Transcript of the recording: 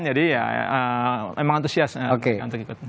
jadi ya emang antusias untuk ikut